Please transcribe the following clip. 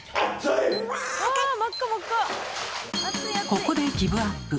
ここでギブアップ。